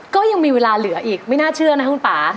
ก็ยังมีเวลาเหลืออีกไม่น่าเชื่อนะคุณป่า